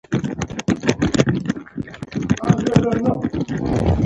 ستاسي څخه غلامان جوړوي.